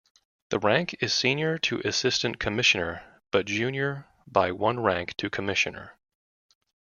The rank is senior to Assistant Commissioner, but junior by one rank to Commissioner.